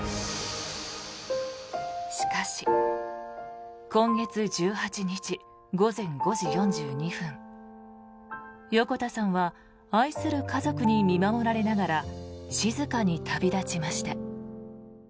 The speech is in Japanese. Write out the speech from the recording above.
しかし今月１８日午前５時４２分横田さんは愛する家族に見守られながら静かに旅立ちました。